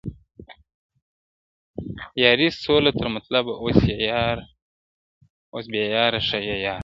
یاري سوله تر مطلبه اوس بې یاره ښه یې یاره,